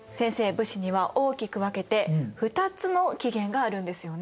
武士には大きく分けて２つの起源があるんですよね？